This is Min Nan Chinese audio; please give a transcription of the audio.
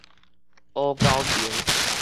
烏蛟騰